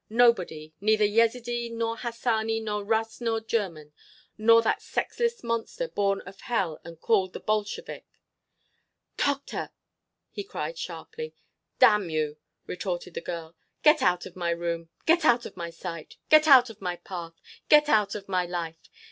—nobody—neither Yezidee nor Hassani nor Russ nor German nor that sexless monster born of hell and called the Bolshevik!" "Tokhta!" he cried sharply. "Damn you!" retorted the girl; "get out of my room! Get out of my sight! Get out of my path! Get out of my life!